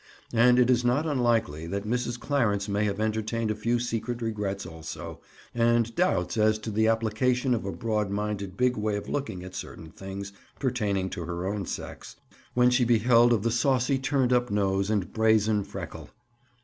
And it is not unlikely that Mrs. Clarence may have entertained a few secret regrets also, and doubts as to the application of a broad minded big way of looking at certain things pertaining to her own sex, when she beheld her of the saucy turned up nose and brazen freckle.